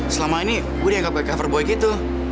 selama ini gue dianggap kayak coverboy gitu